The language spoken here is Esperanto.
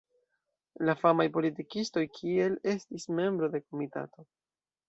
La famaj politikistoj kiel estis membro de komitato.